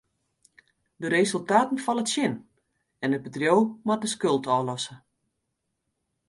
De resultaten falle tsjin en it bedriuw moat in skuld ôflosse.